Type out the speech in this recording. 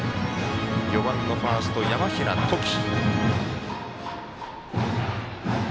４番のファースト山平統己。